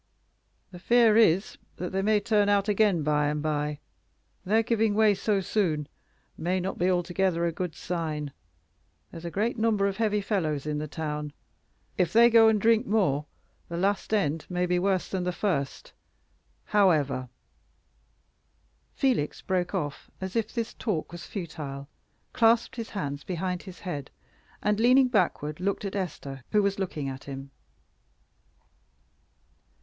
The fear is that they may turn out again by and by; their giving way so soon may not be altogether a good sign. There's a great number of heavy fellows in the town. If they go and drink more, the last end may be worse than the first. However " Felix broke off, as if this talk was futile, clasped his hands behind his head, and, leaning backward, looked at Esther, who was looking at him.